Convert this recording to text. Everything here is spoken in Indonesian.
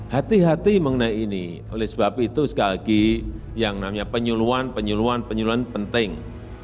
hati hati mengenai ini oleh sebab itu sekali lagi yang namanya penyuluan penyuluan penyuluan penting